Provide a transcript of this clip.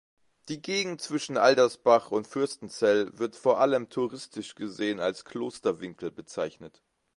Die Gegend zwischen Aldersbach und Fürstenzell wird vor allem touristisch gesehen als "Klosterwinkel" bezeichnet.